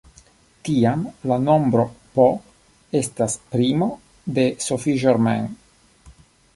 Tiam, la nombro "p" estas primo de Sophie Germain.